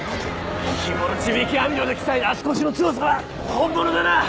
日頃地引き網漁で鍛えた足腰の強さは本物だな！